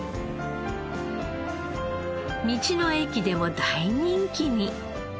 道の駅でも大人気に。